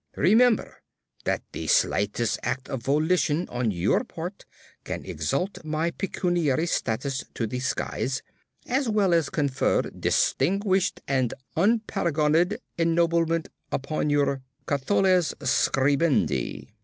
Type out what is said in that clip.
Remember that the slightest act of volition on your part can exalt my pecuniary status to the skies, as well as confer distinguished and unparagoned ennoblement upon your cacoëthes scribendi.